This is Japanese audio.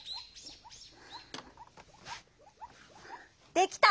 できた！